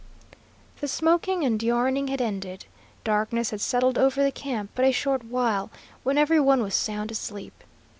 The smoking and yarning had ended. Darkness had settled over the camp but a short while, when every one was sound asleep.